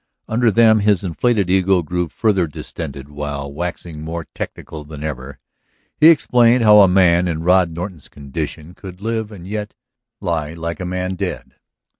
Under them his inflated ego grew further distended while, waxing more technical than ever, he explained how a man in Rod Norton's condition could live and yet lie like a man dead.